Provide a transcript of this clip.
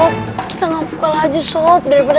kamu memang kekelepan